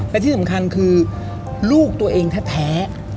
และที่สำคัญคือลูกตัวเองแท้